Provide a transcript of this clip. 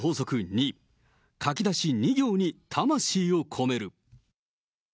２、書き出し２行に魂を込める。